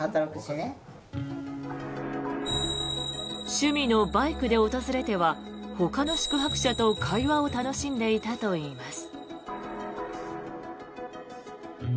趣味のバイクで訪れてはほかの宿泊者と会話を楽しんでいたといいます。